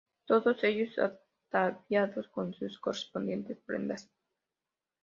Todos ellos ataviados con sus correspondientes prendas.